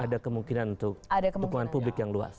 ada kemungkinan untuk dukungan publik yang luas